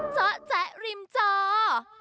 เจ้าแจ๊กริมเจ้า